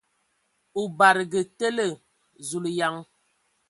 O badǝgǝ tele ! Zulǝyan!